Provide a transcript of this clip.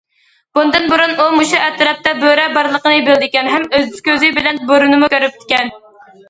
بۇندىن بۇرۇن ئۇ مۇشۇ ئەتراپتا بۆرە بارلىقىنى بىلىدىكەن، ھەم ئۆز كۆزى بىلەن بۆرىنىمۇ كۆرۈپتىكەن.